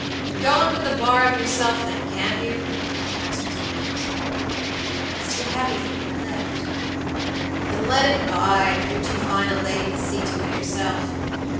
"Go and put the bar up yourself, then, can't you?" answered Mr. Marks. "It's too heavy for me to lift." "Then let it bide, if you're too fine a lady to see to it yourself.